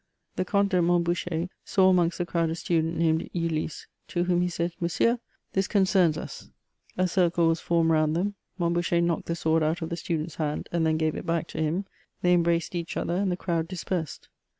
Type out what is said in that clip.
The Comte de Montboucher saw amongst the crowd a student, named Ulliac, to whom he said, " Monsieur, this concerns us, A circle was formed round them ; Montboucher knocked the sword out of the student's hand, and then gave it back to him; they embraced each other, and the erowd dispersed.